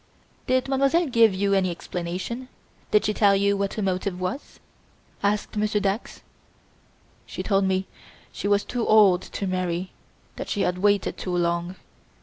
"Did Mademoiselle give you any explanation, did she tell you what her motive was?" asked Monsieur Dax. "She told me she was too old to marry that she had waited too long.